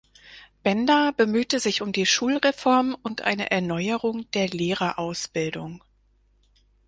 Benda bemühte sich um die Schulreform und eine Erneuerung der Lehrerausbildung.